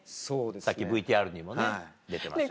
さっきＶＴＲにも出てました。